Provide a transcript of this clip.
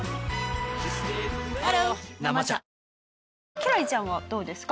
輝星ちゃんはどうですか？